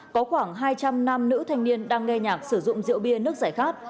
có khoảng hai trăm linh nam nữ thanh niên đang nghe nhạc sử dụng rượu bia nước giải khát